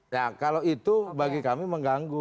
nah kalau itu bagi kami mengganggu